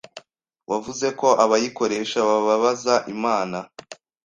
Wavuze ko abayikoresha bababaza Imana